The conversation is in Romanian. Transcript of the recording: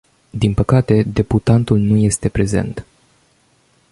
Din păcate, deputatul nu este prezent.